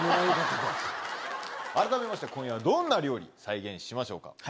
改めまして今夜はどんな料理再現しましょうか？